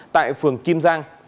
tại phường kim giang